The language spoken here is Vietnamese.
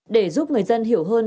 để giúp người dân hiểu hơn